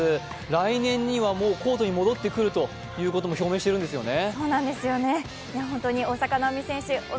来年にはコートに戻ってくると言うことも表明しているんですよね。